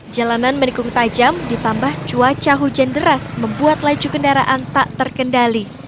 jalanan menikung tajam ditambah cuaca hujan deras membuat laju kendaraan tak terkendali